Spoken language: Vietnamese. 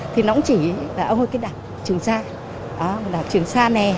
thì nó cũng chỉ là ôi cái đạp trường xa